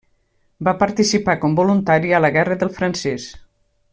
Va participar com voluntari a la guerra del francès.